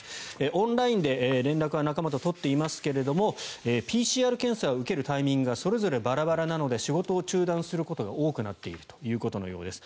オンラインで連絡は仲間と取っていますがＰＣＲ検査を受けるタイミングがそれぞれバラバラなので仕事を中断することが多くなっているということのようです。